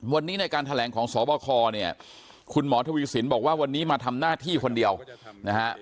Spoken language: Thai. วันนี้ในการแถลงของสบคเนี่ยคุณหมอทวีสินบอกว่าวันนี้มาทำหน้าที่คนเดียวนะฮะ